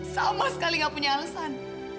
sama sekali gak punya alasan